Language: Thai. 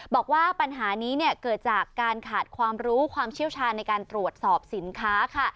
บอกว่าปัญหานี้เกิดจากการขาดความรู้ความเชี่ยวชาญในการตรวจสอบสินค้าค่ะ